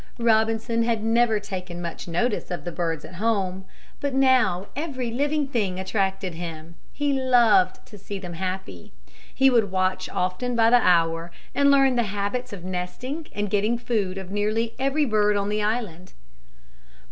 Robinson had never taken much notice of the birds at home. But now every living thing attracted him. He loved to see them happy. He would watch often by the hour and learn the habits of nesting and getting food of nearly every bird on the island.